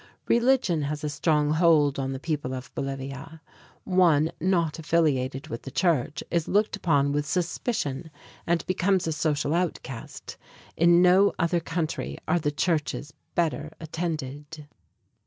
Religion has a strong hold on the people of Bolivia. One not affiliated with the church is looked upon with suspicion and becomes a social outcast. In no other country are the churches better attended.